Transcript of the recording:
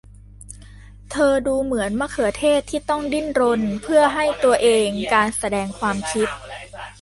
เธอดูเหมือนมะเขือเทศที่ต้องดิ้นรนเพื่อให้ตัวเองการแสดงความคิด